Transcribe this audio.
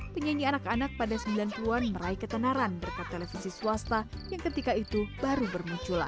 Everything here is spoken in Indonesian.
penyanyi anak anak pada sembilan puluh an meraih ketenaran berkat televisi swasta yang ketika itu baru bermunculan